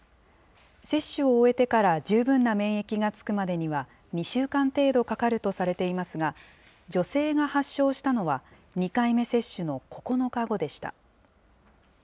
接種を終えてから十分な免疫がつくまでには、２週間程度かかるとされていますが、女性が発症したのは、２回目接種の９日後でした。